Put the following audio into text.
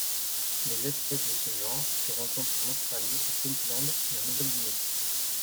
Les espèces de ce genre se rencontrent en Australie au Queensland et en Nouvelle-Guinée.